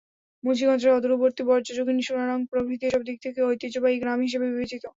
মুন্সিগঞ্জের অদূরবর্তী বজ্রযোগিনী, সোনারং প্রভৃতি এসব দিক থেকে ঐতিহ্যবাহী গ্রাম হিসেবে বিবেচিত।